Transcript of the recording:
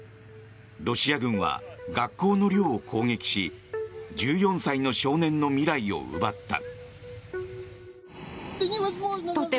ロシア軍は学校の寮を攻撃し１４歳の少年の未来を奪った。